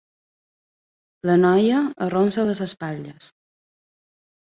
La noia arronsa les espatlles.